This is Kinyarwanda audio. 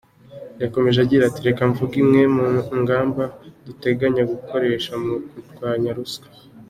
Yakomeje agira ati “Reka mvuge imwe mu ngamba duteganya gukoresha mu kurwanya ruswa.